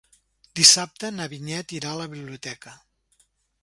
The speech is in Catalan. Dissabte na Vinyet irà a la biblioteca.